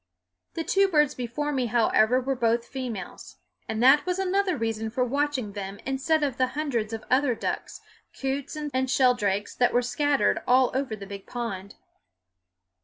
The two birds before me, however, were both females; and that was another reason for watching them instead of the hundreds of other ducks, coots and sheldrakes and broadbills that were scattered all over the big pond.